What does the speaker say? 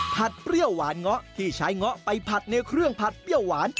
เปรี้ยวหวานเงาะที่ใช้เงาะไปผัดในเครื่องผัดเปรี้ยวหวาน